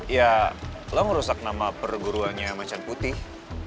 ya lo ngerusak nama perguruannya macan putih